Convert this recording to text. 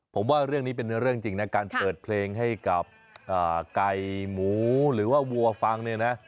ผมว่าเรื่องนี้เป็นเรื่องจริงนะการเปิดเพลงให้กับไก่หมูหรือว่าวัวฟังเนี่ยนะ